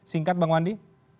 singkat bang wandi